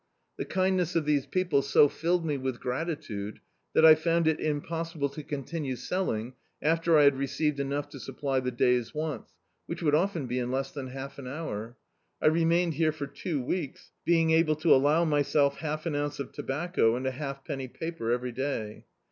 The kindness of these people so filled me with gratitude, that I found it impossible to continue selling after I had received enougji to supply the day's wants, which would often be in less than half an hour. I remained here for two weeks, being able to allow myself half an ounce of tobacco and a halfpenny paper every day.